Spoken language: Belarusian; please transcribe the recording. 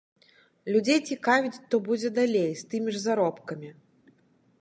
Людзей цікавіць, то будзе далей, з тымі ж заробкамі.